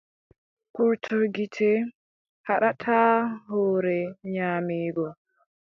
Purtol gite haɗataa hoore nyaameego.